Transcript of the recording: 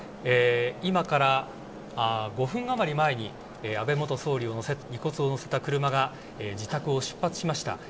今から５分余り前に安倍元総理の遺骨を載せた車が自宅を出発しました。